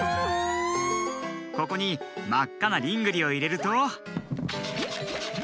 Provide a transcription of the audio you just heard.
ここにまっかなリングリをいれると。